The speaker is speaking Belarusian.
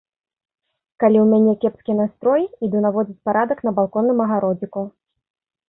Калі ў мяне кепскі настрой, іду наводзіць парадак на балконным агародзіку.